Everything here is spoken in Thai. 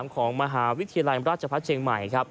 ของมหาวิทยาลัยราชภัฐเชียงใหม่